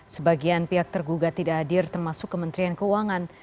sebagian pihak tergugat tidak hadir termasuk kementerian keuangan